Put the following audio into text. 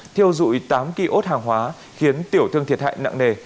thiêu dụi tám ký ốt hàng hóa khiến tiểu thương thiệt hại nặng nề